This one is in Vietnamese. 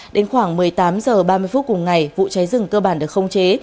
đến khoảng một mươi tám h ba mươi phút cùng ngày vụ cháy rừng cơ bản được không chế